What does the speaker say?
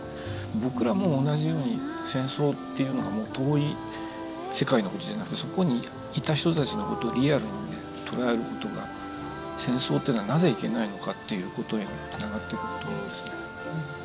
僕らも同じように戦争っていうのがもう遠い世界のことじゃなくてそこにいた人たちのことをリアルに捉えることが戦争っていうのはなぜいけないのかっていうことへつながっていくんだと思いますね。